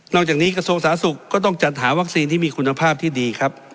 จากนี้กระทรวงสาธารณสุขก็ต้องจัดหาวัคซีนที่มีคุณภาพที่ดีครับ